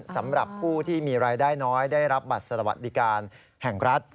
สำหรับผู้ที่มีรายได้น้อยได้รับบัตรสวัสดิการแห่งรัฐ